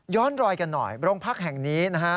ย้อนรอยกันหน่อยโรงพักฯแห่งนี้